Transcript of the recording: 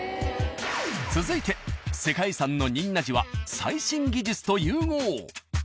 続いて世界遺産の仁和寺は最新技術と融合。